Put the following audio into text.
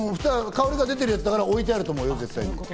香織が出てるやつだから置いてあると思うよ。